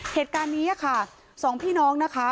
เหตุการณ์นี้ค่ะสองพี่น้องนะคะ